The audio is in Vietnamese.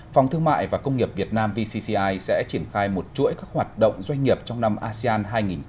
phòng thương mại và công nghiệp việt nam vcci sẽ triển khai một chuỗi các hoạt động doanh nghiệp trong năm asean hai nghìn hai mươi